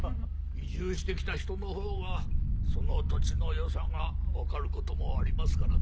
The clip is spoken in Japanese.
移住してきた人のほうがその土地の良さがわかる事もありますからな。